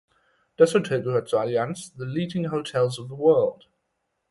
Das Hotel gehört zur Allianz The Leading Hotels of the World.